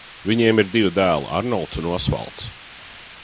Viņiem ir divi dēli: Arnolds un Osvalds.